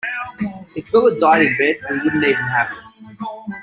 If Bill had died in bed we wouldn't even have him.